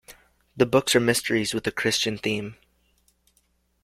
The books are mysteries with a Christian theme.